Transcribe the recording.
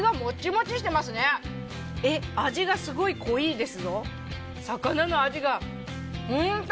えっ味がすごい濃いいですぞ。